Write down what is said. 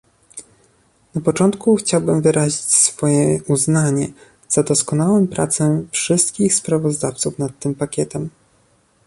Na początku chciałbym wyrazić swoje uznanie za doskonałą pracę wszystkich sprawozdawców nad tym pakietem